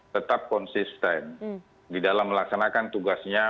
tetap konsisten di dalam melaksanakan tugasnya